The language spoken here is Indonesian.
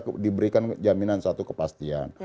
itu diberikan jaminan satu kepastian